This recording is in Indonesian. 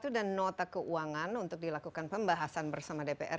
dan nota keuangan untuk dilakukan pembahasan bersama dpr